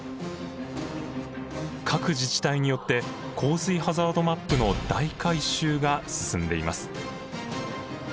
各自治体によって洪水ハザードマップの大改修が進んでいます。